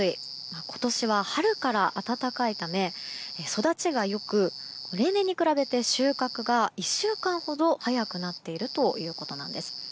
今年は春から暖かいため育ちが良く例年に比べて収穫が１週間ほど早くなっているということなんです。